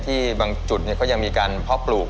ที่บางจุดเนี่ยเขายังมีการพ่อปลูก